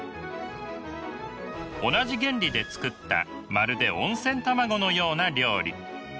同じ原理で作ったまるで温泉卵のような料理。